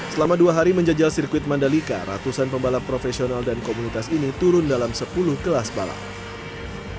selama dua hari menjajal sirkuit mandalika ratusan pembalap profesional dan komunitas ini turun dalam sepuluh kelas balap